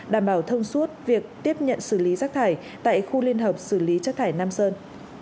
đảm bảo thông suốt việc tiếp nhận xử lý rác thải tại khu liên hợp xử lý chất thải nam sơn